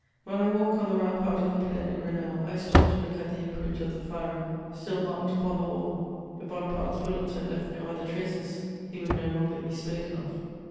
When I walk on the rampart of the Plaine de Grenelle, I stop to look at the imprint of the firing, still marked upon the wall. If Bonaparte's bullets had left no other traces, he would no longer be spoken of.